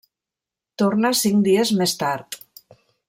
Torna cinc dies més tard!